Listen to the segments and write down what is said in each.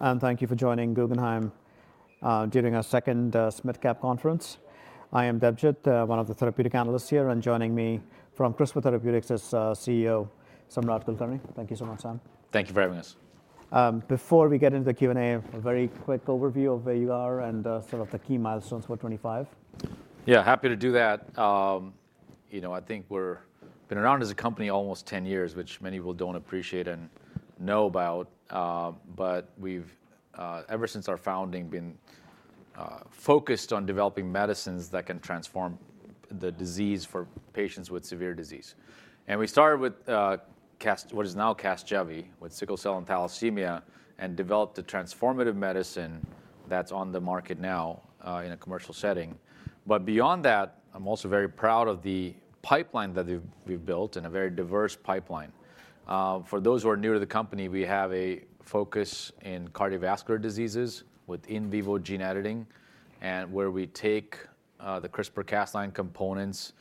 Thank you for joining Guggenheim during our second SMID Cap conference. I am Debjit, one of the therapeutic analysts here, and joining me from CRISPR Therapeutics is CEO Samarth Kulkarni. Thank you so much, Sam. Thank you for having us. Before we get into the Q&A, a very quick overview of where you are and some of the key milestones for 2025. Yeah, happy to do that. You know, I think we've been around as a company almost 10 years, which many people don't appreciate and know about. But we've, ever since our founding, been focused on developing medicines that can transform the disease for patients with severe disease. And we started with what is now CASGEVY, with sickle cell and thalassemia, and developed a transformative medicine that's on the market now in a commercial setting. But beyond that, I'm also very proud of the pipeline that we've built, and a very diverse pipeline. For those who are new to the company, we have a focus in cardiovascular diseases with in vivo gene editing, where we take the CRISPR-Cas9 components,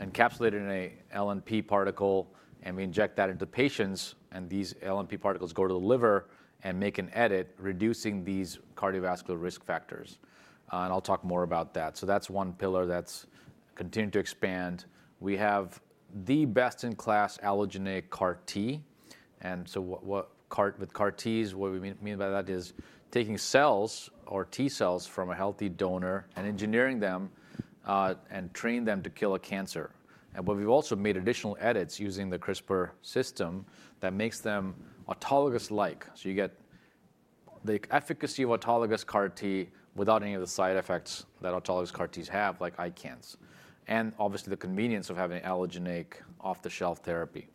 encapsulate it in an LNP particle, and we inject that into patients. And these LNP particles go to the liver and make an edit, reducing these cardiovascular risk factors. I'll talk more about that. So that's one pillar that's continuing to expand. We have the best-in-class allogeneic CAR-T. And so with CAR-T, what we mean by that is taking cells, or T cells, from a healthy donor and engineering them and training them to kill a cancer. And we've also made additional edits using the CRISPR system that makes them autologous-like. So you get the efficacy of autologous CAR-T without any of the side effects that autologous CAR-Ts have, like ICANS. And obviously, the convenience of having allogeneic off-the-shelf therapy.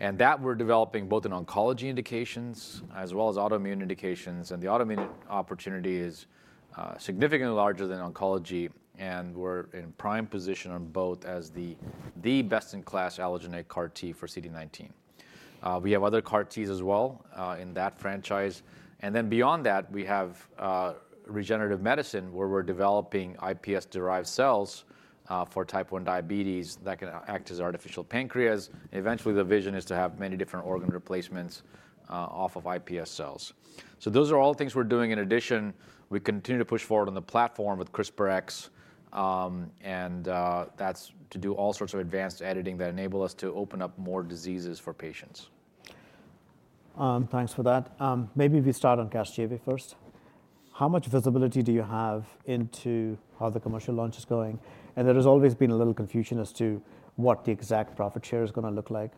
And that we're developing both in oncology indications as well as autoimmune indications. And the autoimmune opportunity is significantly larger than oncology. And we're in prime position on both as the best-in-class allogeneic CAR-T for CD19. We have other CAR-Ts as well in that franchise. And then beyond that, we have regenerative medicine, where we're developing iPS-derived cells for type 1 diabetes that can act as artificial pancreas. Eventually, the vision is to have many different organ replacements off of iPS cells. So those are all things we're doing. In addition, we continue to push forward on the platform with CRISPR-X. And that's to do all sorts of advanced editing that enables us to open up more diseases for patients. Thanks for that. Maybe we start on CASGEVY first. How much visibility do you have into how the commercial launch is going? And there has always been a little confusion as to what the exact profit share is going to look like,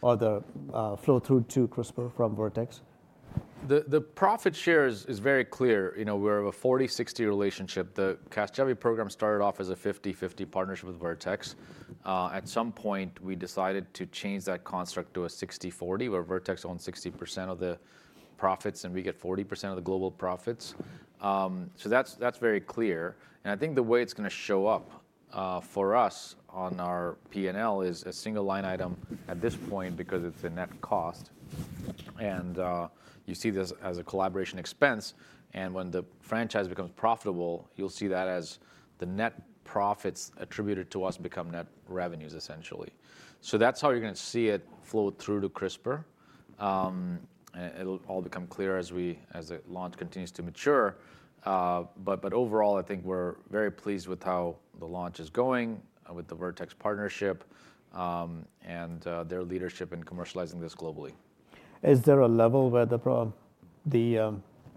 or the flow through to CRISPR from Vertex. The profit share is very clear. You know, we're a 40/60 relationship. The CASGEVY program started off as a 50/50 partnership with Vertex. At some point, we decided to change that construct to a 60/40, where Vertex owns 60% of the profits and we get 40% of the global profits. So that's very clear. And I think the way it's going to show up for us on our P&L is a single line item at this point, because it's a net cost. And you see this as a collaboration expense. And when the franchise becomes profitable, you'll see that as the net profits attributed to us become net revenues, essentially. So that's how you're going to see it flow through to CRISPR. It'll all become clear as the launch continues to mature. But overall, I think we're very pleased with how the launch is going with the Vertex partnership and their leadership in commercializing this globally. Is there a level where the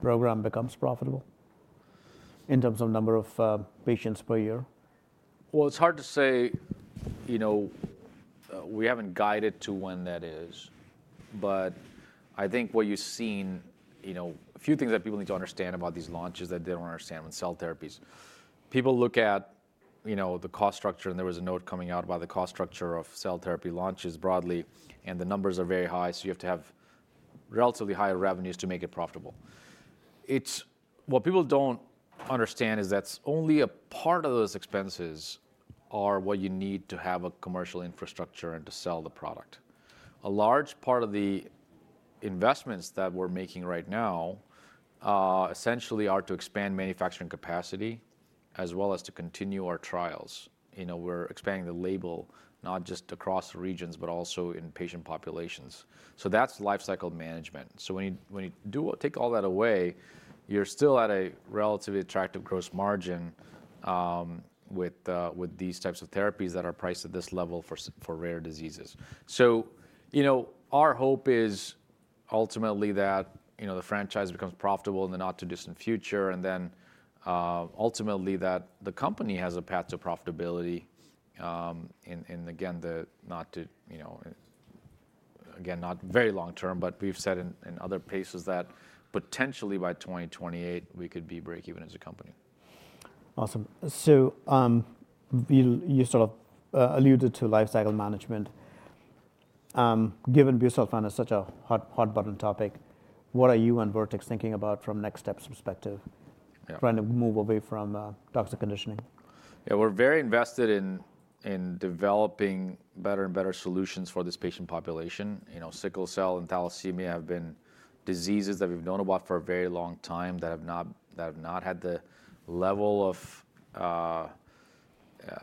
program becomes profitable in terms of number of patients per year? It's hard to say. You know, we haven't guided to when that is. But I think what you've seen, you know, a few things that people need to understand about these launches that they don't understand when cell therapies. People look at, you know, the cost structure. And there was a note coming out about the cost structure of cell therapy launches broadly. And the numbers are very high. So you have to have relatively high revenues to make it profitable. What people don't understand is that only a part of those expenses are what you need to have a commercial infrastructure and to sell the product. A large part of the investments that we're making right now essentially are to expand manufacturing capacity as well as to continue our trials. You know, we're expanding the label not just across regions, but also in patient populations. So that's lifecycle management. So when you take all that away, you're still at a relatively attractive gross margin with these types of therapies that are priced at this level for rare diseases. So, you know, our hope is ultimately that, you know, the franchise becomes profitable in the not-too-distant future, and then ultimately that the company has a path to profitability. And again, not to, you know, again, not very long term, but we've said in other places that potentially by 2028, we could be break-even as a company. Awesome. So you sort of alluded to lifecycle management. Given busulfan is such a hot-button topic, what are you and Vertex thinking about from next steps' perspective trying to move away from toxic conditioning? Yeah, we're very invested in developing better and better solutions for this patient population. You know, sickle cell and thalassemia have been diseases that we've known about for a very long time that have not had the level of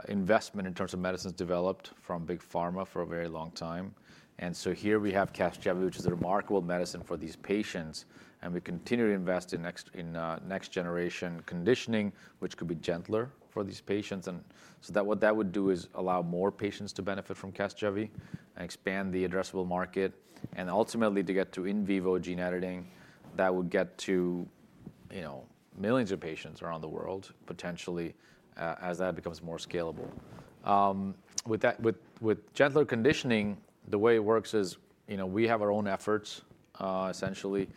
investment in terms of medicines developed from big pharma for a very long time. And so here we have CASGEVY, which is a remarkable medicine for these patients. And we continue to invest in next-generation conditioning, which could be gentler for these patients. And so what that would do is allow more patients to benefit from CASGEVY and expand the addressable market. And ultimately, to get to in vivo gene editing, that would get to, you know, millions of patients around the world potentially as that becomes more scalable. With gentler conditioning, the way it works is, you know, we have our own efforts essentially.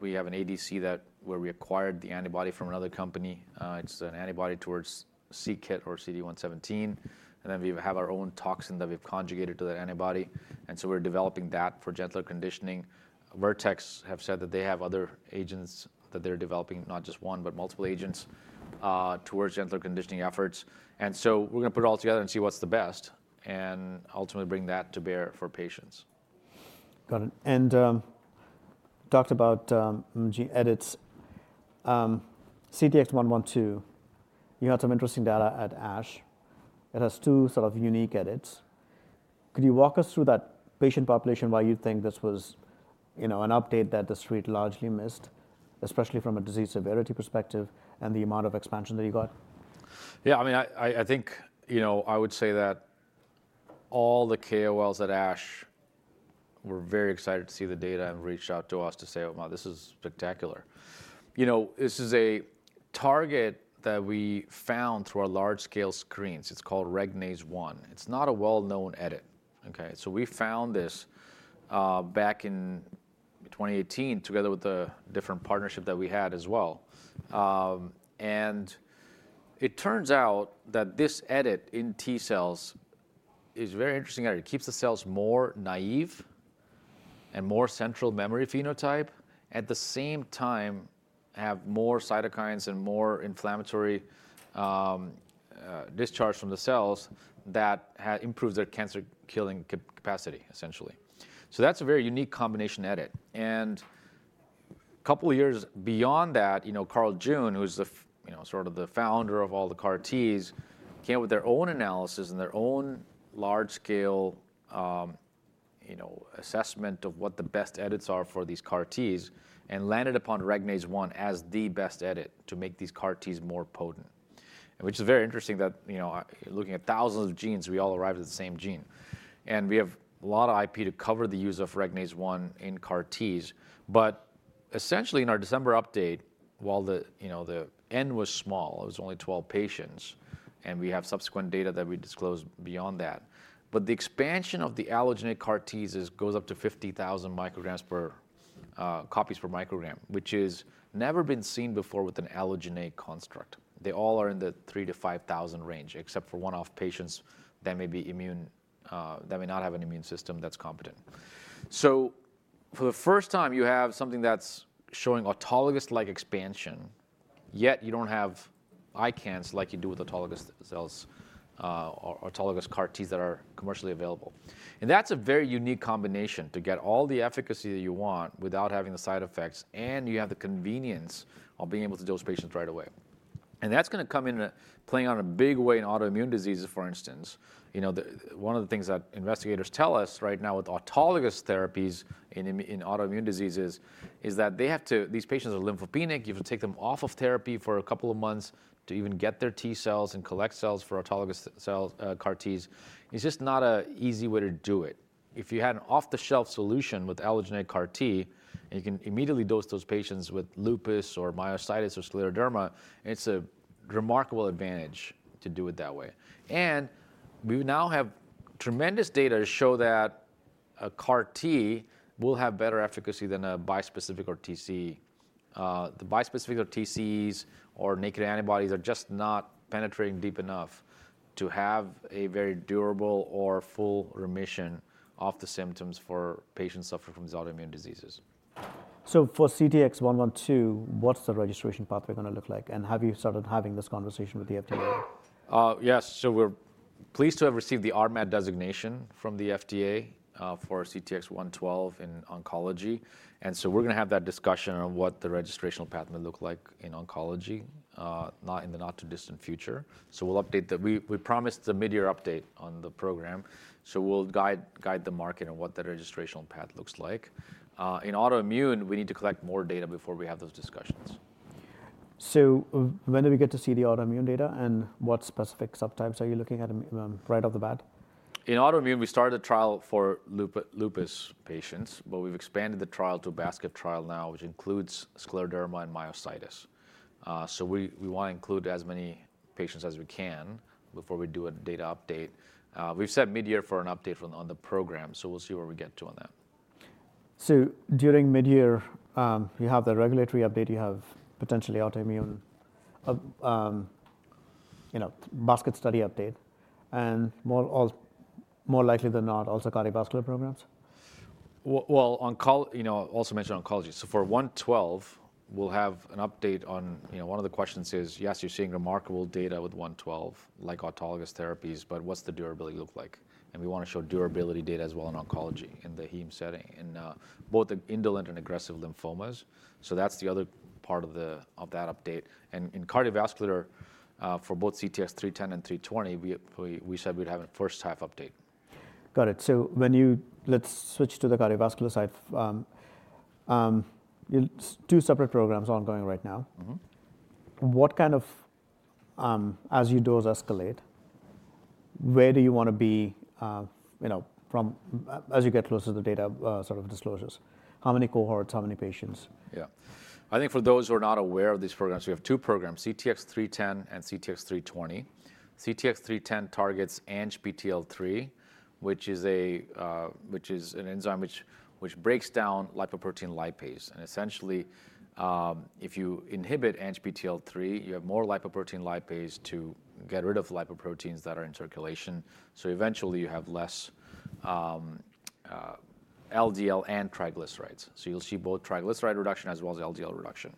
We have an ADC where we acquired the antibody from another company. It's an antibody towards c-Kit or CD117. And then we have our own toxin that we've conjugated to that antibody. And so we're developing that for gentler conditioning. Vertex have said that they have other agents that they're developing, not just one, but multiple agents towards gentler conditioning efforts. And so we're going to put it all together and see what's the best, and ultimately bring that to bear for patients. Got it. And talked about gene edits. CTX112, you had some interesting data at ASH. It has two sort of unique edits. Could you walk us through that patient population? Why you think this was, you know, an update that the street largely missed, especially from a disease severity perspective and the amount of expansion that you got? Yeah, I mean, I think, you know, I would say that all the KOLs at ASH were very excited to see the data and reached out to us to say, oh, wow, this is spectacular. You know, this is a target that we found through our large-scale screens. It's called Regnase-1. It's not a well-known edit. OK, so we found this back in 2018 together with the different partnership that we had as well. And it turns out that this edit in T cells is a very interesting edit. It keeps the cells more naive and more central memory phenotype, at the same time have more cytokines and more inflammatory discharge from the cells that improves their cancer-killing capacity, essentially. So that's a very unique combination edit. And a couple of years beyond that, you know, Carl June, who's sort of the founder of all the CAR-Ts, came up with their own analysis and their own large-scale assessment of what the best edits are for these CAR-Ts and landed upon Regnase-1 as the best edit to make these CAR-Ts more potent. Which is very interesting that, you know, looking at thousands of genes, we all arrive at the same gene. And we have a lot of IP to cover the use of Regnase-1 in CAR-Ts. But essentially, in our December update, while the N was small, it was only 12 patients. And we have subsequent data that we disclose beyond that. But the expansion of the allogeneic CAR-Ts goes up to 50,000 micrograms per copies per microgram, which has never been seen before with an allogeneic construct. They all are in the 3,000-5,000 range, except for one-off patients that may be immune, that may not have an immune system that's competent. So for the first time, you have something that's showing autologous-like expansion, yet you don't have ICANS like you do with autologous cells or autologous CAR-Ts that are commercially available. And that's a very unique combination to get all the efficacy that you want without having the side effects. And you have the convenience of being able to do those patients right away. And that's going to come in playing out in a big way in autoimmune diseases, for instance. You know, one of the things that investigators tell us right now with autologous therapies in autoimmune diseases is that they have to, these patients are lymphopenic. You have to take them off of therapy for a couple of months to even get their T cells and collect cells for autologous CAR-Ts. It's just not an easy way to do it. If you had an off-the-shelf solution with allogeneic CAR-T, you can immediately dose those patients with lupus or myositis or scleroderma. It's a remarkable advantage to do it that way, and we now have tremendous data to show that a CAR-T will have better efficacy than a bispecific or TCE. The bispecific or TCEs or naked antibodies are just not penetrating deep enough to have a very durable or full remission of the symptoms for patients suffering from these autoimmune diseases. So for CTX112, what's the registration pathway going to look like? And have you started having this conversation with the FDA? Yes. So we're pleased to have received the RMAT designation from the FDA for CTX112 in oncology. And so we're going to have that discussion on what the registration path may look like in oncology, not in the not-too-distant future. So we'll update the, we promised a mid-year update on the program. So we'll guide the market on what that registration path looks like. In autoimmune, we need to collect more data before we have those discussions. So when do we get to see the autoimmune data? And what specific subtypes are you looking at right off the bat? In autoimmune, we started a trial for lupus patients. But we've expanded the trial to a basket trial now, which includes scleroderma and myositis. So we want to include as many patients as we can before we do a data update. We've set mid-year for an update on the program. So we'll see where we get to on that. So during mid-year, you have the regulatory update. You have potentially autoimmune, you know, basket study update. And more likely than not, also cardiovascular programs? You know, also mentioned oncology. So for 112, we'll have an update on, you know, one of the questions is, yes, you're seeing remarkable data with 112, like autologous therapies. But what's the durability look like? And we want to show durability data as well in oncology in the heme setting, in both indolent and aggressive lymphomas. So that's the other part of that update. And in cardiovascular, for both CTX310 and 320, we said we'd have a first-half update. Got it. So let's switch to the cardiovascular side. You have two separate programs ongoing right now. What kind of, as your dose escalates, where do you want to be, you know, as you get closer to the data sort of disclosures? How many cohorts? How many patients? Yeah. I think for those who are not aware of these programs, we have two programs, CTX310 and CTX320. CTX310 targets ANGPTL3, which is an enzyme which breaks down lipoprotein lipase. And essentially, if you inhibit ANGPTL3, you have more lipoprotein lipase to get rid of lipoproteins that are in circulation. So eventually, you have less LDL and triglycerides. So you'll see both triglyceride reduction as well as LDL reduction.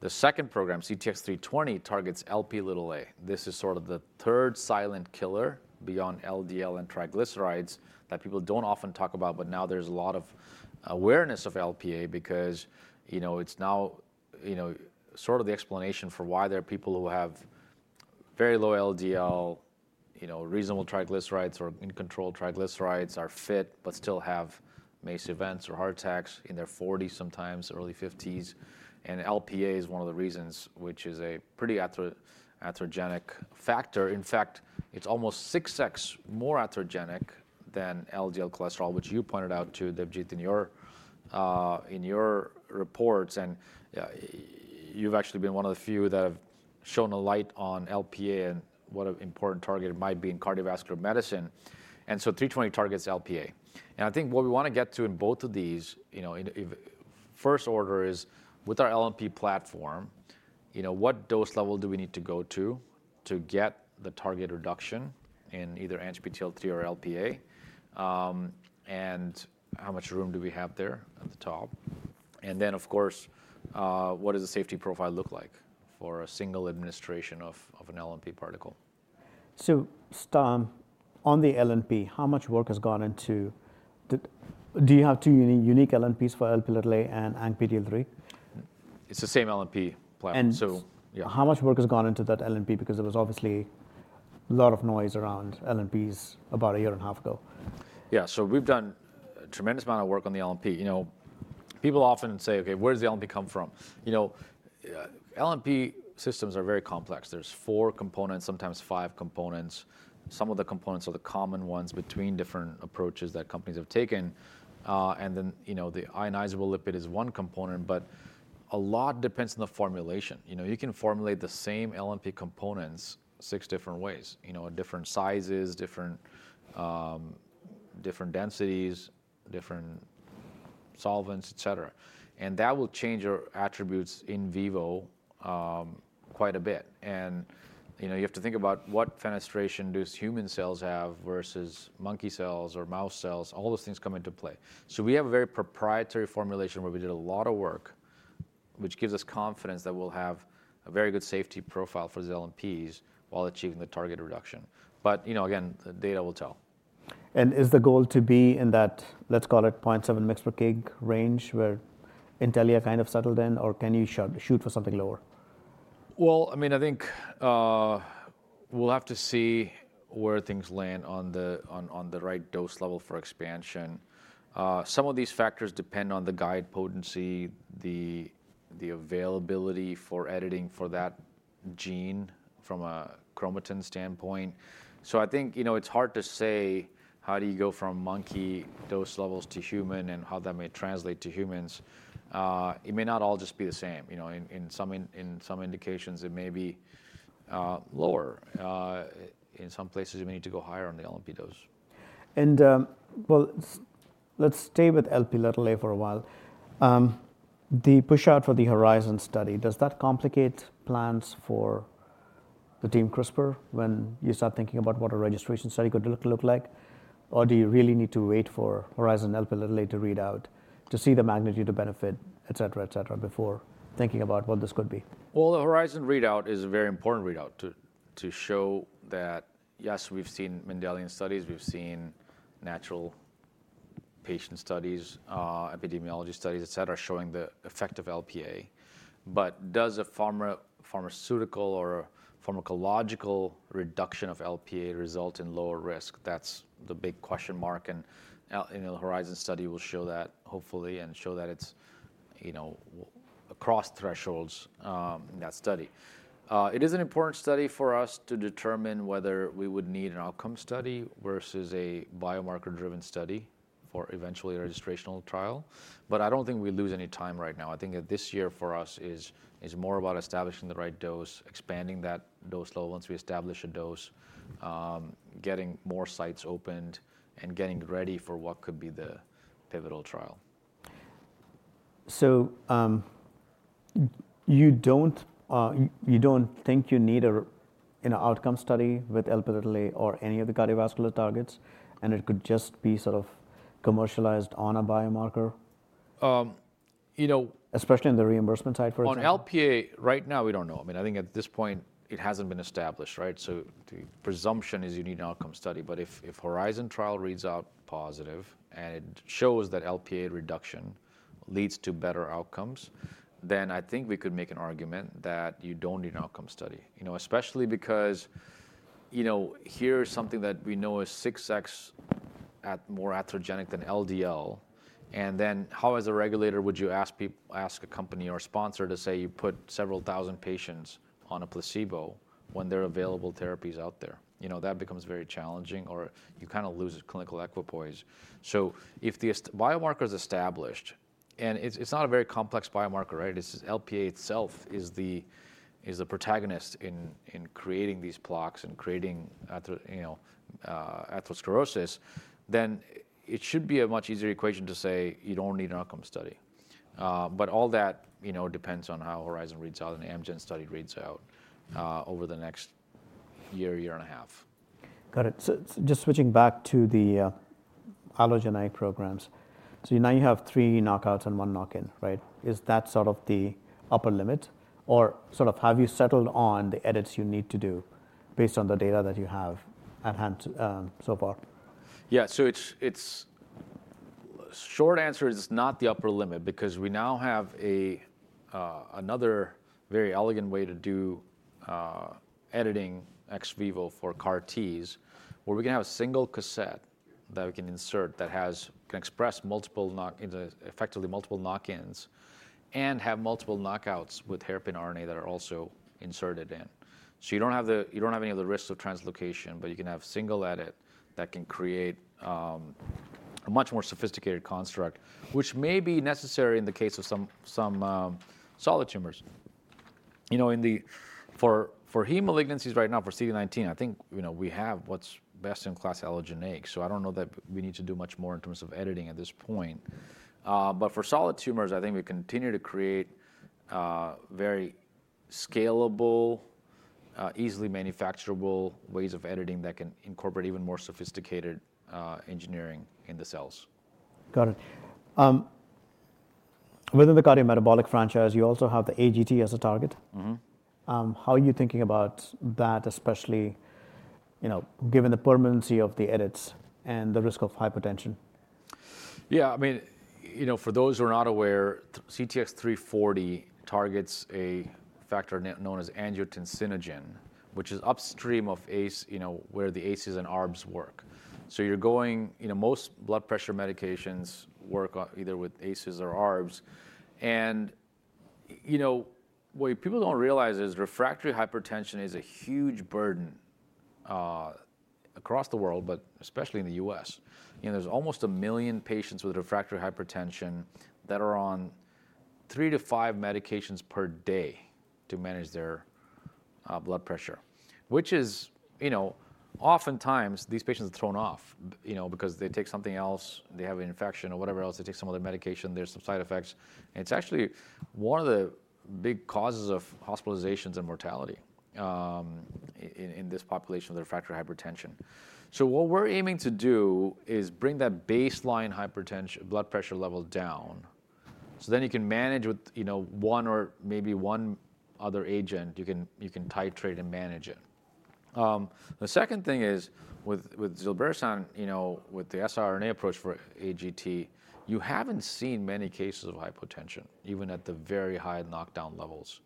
The second program, CTX320, targets Lp(a). This is sort of the third silent killer beyond LDL and triglycerides that people don't often talk about. But now there's a lot of awareness of Lp(a) because, you know, it's now, you know, sort of the explanation for why there are people who have very low LDL, you know, reasonable triglycerides or in-control triglycerides, are fit but still have MACE events or heart attacks in their 40s sometimes, early 50s. And Lp(a) is one of the reasons, which is a pretty atherogenic factor. In fact, it's almost 6x more atherogenic than LDL cholesterol, which you pointed out too, Debjit, in your reports. And you've actually been one of the few that have shone a light on Lp(a) and what an important target it might be in cardiovascular medicine. And so 320 targets Lp(a). And I think what we want to get to in both of these, you know, first order is with our LNP platform, you know, what dose level do we need to go to to get the target reduction in either ANGPTL3 or Lp(a)? And how much room do we have there at the top? And then, of course, what does the safety profile look like for a single administration of an LNP particle? On the LNP, how much work has gone into? Do you have two unique LNPs for Lp(a) and ANGPTL3? It's the same LNP platform. And how much work has gone into that LNP? Because there was obviously a lot of noise around LNPs about a year and a half ago. Yeah, so we've done a tremendous amount of work on the LNP. You know, people often say, OK, where does the LNP come from? You know, LNP systems are very complex. There's four components, sometimes five components. Some of the components are the common ones between different approaches that companies have taken. And then, you know, the ionizable lipid is one component. But a lot depends on the formulation. You know, you can formulate the same LNP components six different ways, you know, different sizes, different densities, different solvents, et cetera. And that will change your attributes in vivo quite a bit. And you have to think about what fenestration do human cells have versus monkey cells or mouse cells. All those things come into play. So we have a very proprietary formulation where we did a lot of work, which gives us confidence that we'll have a very good safety profile for these LNPs while achieving the target reduction. But, you know, again, the data will tell. Is the goal to be in that, let's call it 0.7 mg per kg range where Intellia kind of settled in? Or can you shoot for something lower? I mean, I think we'll have to see where things land on the right dose level for expansion. Some of these factors depend on the guide potency, the availability for editing for that gene from a chromatin standpoint. So I think, you know, it's hard to say how do you go from monkey dose levels to human and how that may translate to humans. It may not all just be the same. You know, in some indications, it may be lower. In some places, you may need to go higher on the LNP dose. Let's stay with Lp(a) for a while. The push out for the HORIZON study, does that complicate plans for the team CRISPR when you start thinking about what a registration study could look like? Or do you really need to wait for HORIZON Lp(a) to read out to see the magnitude of benefit, et cetera, et cetera, before thinking about what this could be? The HORIZON readout is a very important readout to show that, yes, we've seen Mendelian studies. We've seen natural patient studies, epidemiology studies, et cetera, et cetera, showing the effect of Lp(a). Does a pharmaceutical or pharmacological reduction of Lp(a) result in lower risk? That's the big question mark. The HORIZON study will show that, hopefully, and show that it's, you know, across thresholds in that study. It is an important study for us to determine whether we would need an outcome study versus a biomarker-driven study for eventually a registrational trial. I don't think we lose any time right now. I think that this year for us is more about establishing the right dose, expanding that dose level once we establish a dose, getting more sites opened, and getting ready for what could be the pivotal trial. So you don't think you need an outcome study with Lp(a) or any of the cardiovascular targets, and it could just be sort of commercialized on a biomarker? You know. Especially on the reimbursement side, for example? On Lp(a) right now, we don't know. I mean, I think at this point, it hasn't been established, right? So the presumption is you need an outcome study. But if the HORIZON trial reads out positive and it shows that Lp(a) reduction leads to better outcomes, then I think we could make an argument that you don't need an outcome study. You know, especially because, you know, here is something that we know is 6x more atherogenic than LDL. And then how, as a regulator, would you ask a company or a sponsor to say you put several thousand patients on a placebo when there are available therapies out there? You know, that becomes very challenging. Or you kind of lose clinical equipoise. So if the biomarker is established, and it's not a very complex biomarker, right? It's Lp(a) itself that is the protagonist in creating these plaques and creating, you know, atherosclerosis. Then it should be a much easier equation to say you don't need an outcome study. But all that, you know, depends on how HORIZON reads out and Amgen's study reads out over the next year, year and a half. Got it. So just switching back to the allogeneic programs. So now you have three knockouts and one knock-in, right? Is that sort of the upper limit? Or sort of have you settled on the edits you need to do based on the data that you have at hand so far? Yeah. So the short answer is it's not the upper limit because we now have another very elegant way to do editing ex vivo for CAR-Ts, where we can have a single cassette that we can insert that can express multiple effectively multiple knock-ins and have multiple knockouts with hairpin RNA that are also inserted in. So you don't have any of the risks of translocation. But you can have a single edit that can create a much more sophisticated construct, which may be necessary in the case of some solid tumors. You know, for heme malignancies right now for CD19, I think, you know, we have what's best-in-class allogeneic. So I don't know that we need to do much more in terms of editing at this point. For solid tumors, I think we continue to create very scalable, easily manufacturable ways of editing that can incorporate even more sophisticated engineering in the cells. Got it. Within the cardiometabolic franchise, you also have the AGT as a target. How are you thinking about that, especially, you know, given the permanency of the edits and the risk of hypertension? Yeah. I mean, you know, for those who are not aware, CTX340 targets a factor known as angiotensinogen, which is upstream of ACE, you know, where the ACEs and ARBs work. So you're going, you know, most blood pressure medications work either with ACEs or ARBs. And, you know, what people don't realize is refractory hypertension is a huge burden across the world, but especially in the U.S. You know, there's almost a million patients with refractory hypertension that are on three to five medications per day to manage their blood pressure, which is, you know, oftentimes these patients are thrown off, you know, because they take something else. They have an infection or whatever else. They take some other medication. There's some side effects. And it's actually one of the big causes of hospitalizations and mortality in this population of refractory hypertension. So what we're aiming to do is bring that baseline blood pressure level down so then you can manage with, you know, one or maybe one other agent. You can titrate and manage it. The second thing is with zilebesiran, you know, with the siRNA approach for AGT, you haven't seen many cases of hypotension, even at the very high knockdown levels.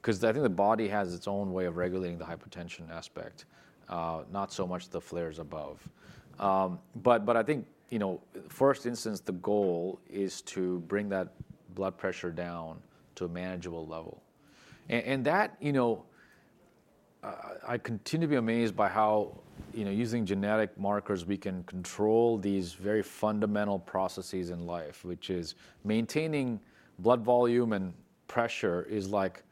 Because I think the body has its own way of regulating the hypotension aspect, not so much the flares above. But I think, you know, first instance, the goal is to bring that blood pressure down to a manageable level. And that, you know, I continue to be amazed by how, you know, using genetic markers, we can control these very fundamental processes in life, which is maintaining blood volume and pressure is like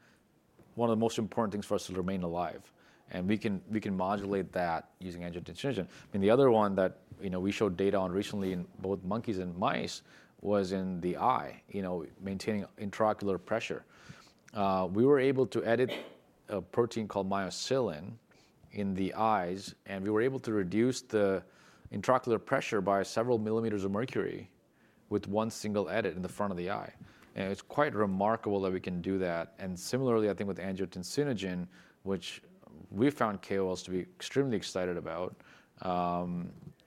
one of the most important things for us to remain alive. And we can modulate that using angiotensinogen. And the other one that, you know, we showed data on recently in both monkeys and mice was in the eye, you know, maintaining intraocular pressure. We were able to edit a protein called myocilin in the eyes. And we were able to reduce the intraocular pressure by several millimeters of mercury with one single edit in the front of the eye. And it's quite remarkable that we can do that. And similarly, I think with angiotensinogen, which we found KOLs to be extremely excited about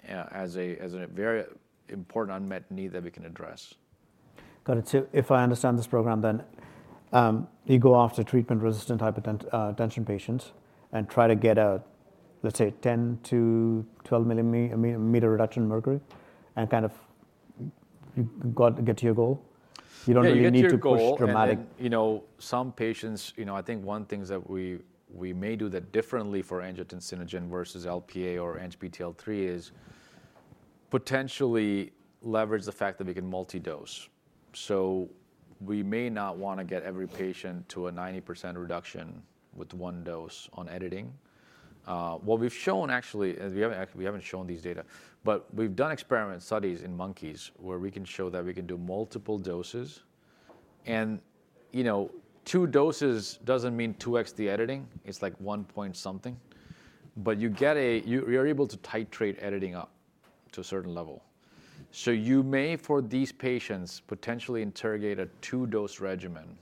as a very important unmet need that we can address. Got it. So if I understand this program, then you go after treatment-resistant hypertension patients and try to get out, let's say, 10 to 12 millimeter reduction in mercury and kind of get to your goal. You don't really need to push dramatic. You know, some patients, you know, I think one thing is that we may do that differently for angiotensinogen versus Lp(a) or ANGPTL3, is potentially leverage the fact that we can multi-dose. So we may not want to get every patient to a 90% reduction with one dose on editing. What we've shown, actually, we haven't shown these data. But we've done experiments, studies in monkeys, where we can show that we can do multiple doses. And, you know, two doses doesn't mean 2x the editing. It's like one point something. But you get, you're able to titrate editing up to a certain level. So you may, for these patients, potentially interrogate a two-dose regimen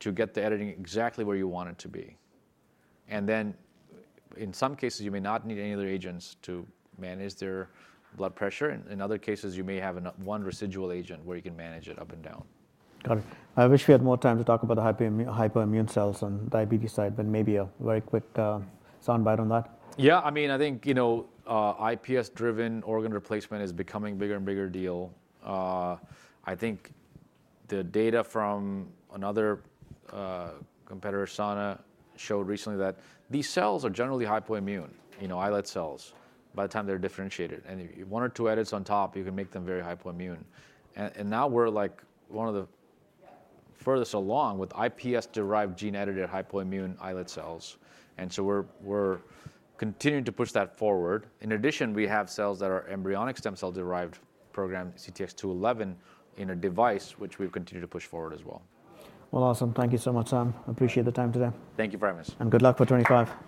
to get the editing exactly where you want it to be. And then, in some cases, you may not need any other agents to manage their blood pressure. In other cases, you may have one residual agent where you can manage it up and down. Got it. I wish we had more time to talk about the hypoimmune cells on the diabetes side. But maybe a very quick sound bite on that? Yeah. I mean, I think, you know, iPS-driven organ replacement is becoming a bigger and bigger deal. I think the data from another competitor, Sana, showed recently that these cells are generally hypoimmune, you know, islet cells, by the time they're differentiated. And one or two edits on top, you can make them very hypoimmune. And now we're like one of the furthest along with iPS-derived gene-edited hypoimmune islet cells. And so we're continuing to push that forward. In addition, we have cells that are embryonic stem cell-derived program, CTX211, in a device, which we've continued to push forward as well. Awesome. Thank you so much, Sam. Appreciate the time today. Thank you very much. Good luck for 2025.